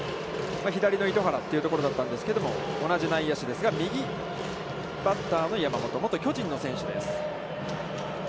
左の糸原というところだったんですけども、同じ内野手ですが、右バッターの山本。元巨人の選手です。